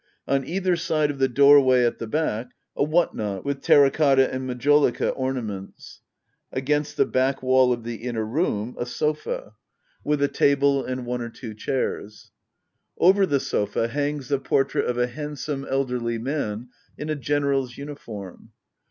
On either side of the doorway at the back a what not with terra cotta and majolica ornaments. — Against the back wall of the inner room a sofa, with Digitized by Google 4 HBDDA OABLBR. [aCT I. a table, and one or two chairs. Over the sofa hangs the portrait of a handsome elderly man in a GeneraPs uniform.